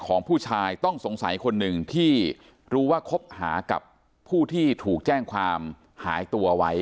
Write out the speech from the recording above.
ของผู้ชายต้องสงสัยคนหนึ่งที่รู้ว่าคบหากับผู้ที่ถูกแจ้งความหายตัวไว้